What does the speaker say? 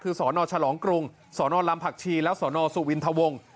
คือสนฉลองกรุงสนลำผักชีและสนสุวินทวง